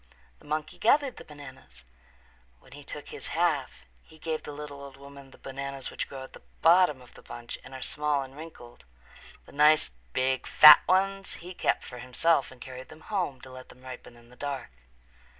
The monkey gathered the bananas. When he took his half he gave the little old woman the bananas which grow at the bottom of the bunch and are small and wrinkled. The nice big fat ones he kept for himself and carried them home to let them ripen in the dark.